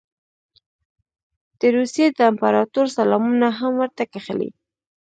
د روسیې د امپراطور سلامونه هم ورته کښلي.